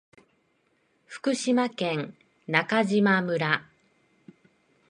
福島県中島村